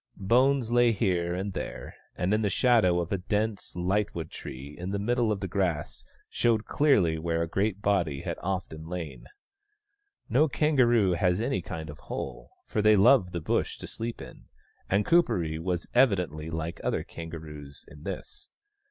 Bones lay here and there, and in the shadow of a dense lightwood tree in the middle the grass showed clearly where a great body had often lain. No kangaroo has any kind of hole, for they love the Bush to sleep in, and Kuperee was evidently like other kangaroos in this.